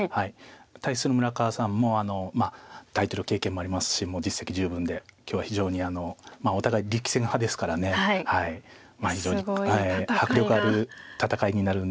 対する村川さんもタイトル経験もありますしもう実績十分で今日は非常にお互い力戦派ですから非常に迫力ある戦いになるんではないかと思っております。